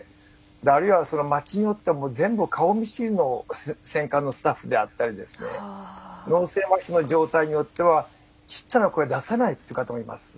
あるいは町によっては全部顔見知りの選管のスタッフであったり脳性まひの状態によってはちっちゃな声を出せないっていう方もいます。